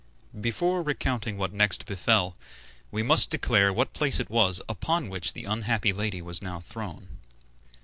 Before recounting what next befell, we must declare what place it was upon which the unhappy lady was now thrown.